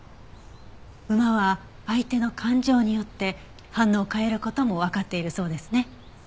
馬は相手の感情によって反応を変える事もわかっているそうですね。